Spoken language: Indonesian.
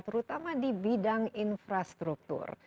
terutama di bidang infrastruktur